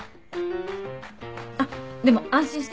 あっでも安心して。